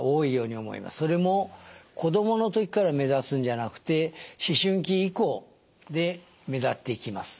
それも子どもの時から目立つんじゃなくて思春期以降で目立ってきます。